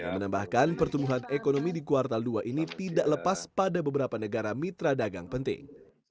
menambahkan pertumbuhan ekonomi di kuartal dua ini tidak lepas pada beberapa negara mitra dagang penting